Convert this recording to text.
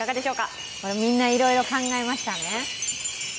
みんないろいろ考えました。